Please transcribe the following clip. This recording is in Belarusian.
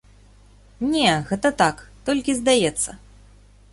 Не, гэта так, толькі здаецца.